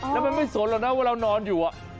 แล้วมันไม่สนหรอกนะว่าเรานอนอยู่